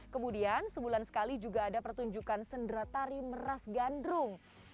kemudian sebulan sekali juga ada pertunjukan sendera tari meras gandrung